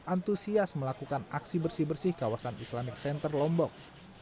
antusias melakukan aksi bersih bersih kawasan islamic center lombok